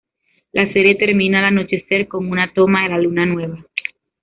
La serie termina al anochecer con una toma de la luna nueva.